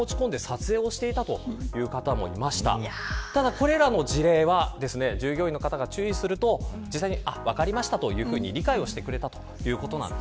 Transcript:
これらの事例は従業員の方が注意すると分かりましたというふうに理解をしてくれたということです。